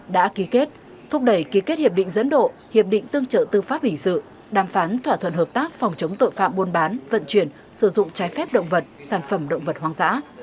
đã ký kết thúc đẩy ký kết hiệp định dẫn độ hiệp định tương trợ tư pháp hình sự đàm phán thỏa thuận hợp tác phòng chống tội phạm buôn bán vận chuyển sử dụng trái phép động vật sản phẩm động vật hoang dã